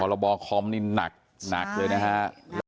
เพราะระบอคอร์มนี่หนักหนักเลยนะคะใช่